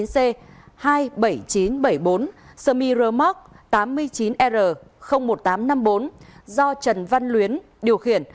semi remark tám mươi chín r một nghìn tám trăm năm mươi bốn do trần văn luyến điều khiển